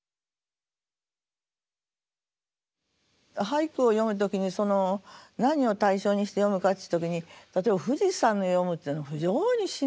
俳句を詠む時に何を対象にして詠むかっていう時に例えば富士山を詠むっていうのは非常に至難なんですね。